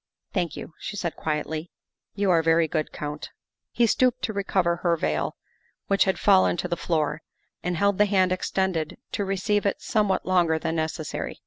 " Thank you," she said quietly, " you are very good, Count." He stooped to recover her veil, which had fallen to the THE SECRETARY OF STATE 171 floor, and held the hand extended to receive it somewhat longer than necessary.